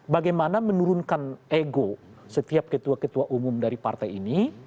bagaimana menurunkan ego setiap ketua ketua umum dari partai ini